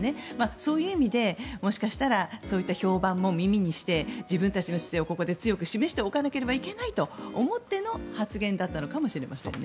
そういう意味で、もしかしたらそういった評判も耳にして自分たちの姿勢をここで強く示しておかないとと思っての、この発言だったのかもしれませんね。